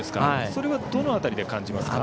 どの辺りで感じますか？